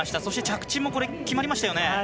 そして着地も決まりましたね。